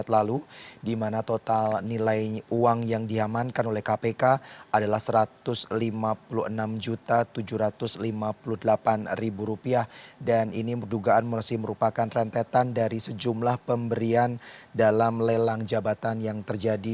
terutama jika boleh langsungentelagen kalau saya ibu jelas suka memberikan breeds ini